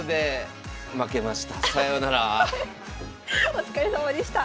お疲れさまでした。